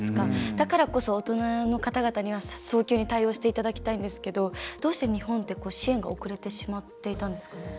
だからこそ大人の方々には早急に対応していただきたいんですけどどうして日本って支援が遅れてしまっていたんですか？